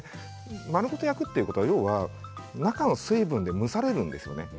丸ごと焼くということは要するに中の水分で蒸されるんです。